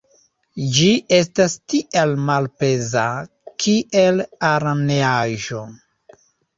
Ĝi estas tiel malpeza, kiel araneaĵo!